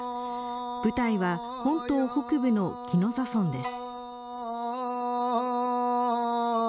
舞台は本島北部の宜野座村です。